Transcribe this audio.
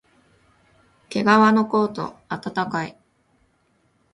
けがわのコート、あたたかい